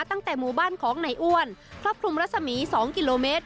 ตั้งแต่หมู่บ้านของนายอ้วนครอบคลุมรัศมี๒กิโลเมตร